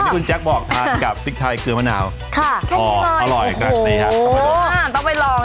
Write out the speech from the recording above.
คุณแจ๊คบอกทานกับติ๊กไทยเกลือมะนาวค่ะอ๋ออร่อยโอ้โหต้องไปลอง